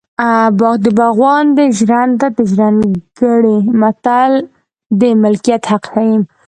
باغ د باغوان دی ژرنده د ژرندګړي متل د ملکیت حق ښيي